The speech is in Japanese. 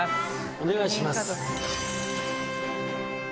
お願いします。